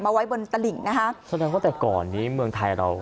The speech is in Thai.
ไว้บนตลิ่งนะคะแสดงว่าแต่ก่อนนี้เมืองไทยเรา